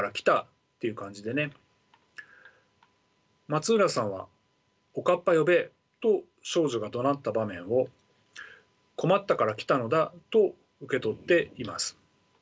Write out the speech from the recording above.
松浦さんは「おかっぱ呼べ！」と少女がどなった場面を困ったから来たのだと受け取っています。